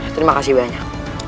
terima kasih banyak